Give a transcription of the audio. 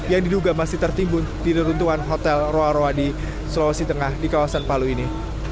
yang diduga masih tertimbun di reruntuhan hotel roa roa di sulawesi tengah di kawasan palu ini